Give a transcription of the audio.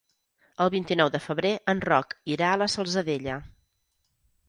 El vint-i-nou de febrer en Roc irà a la Salzadella.